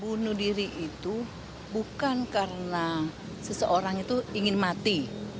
bunuh diri itu bukan karena seseorang itu ingin mati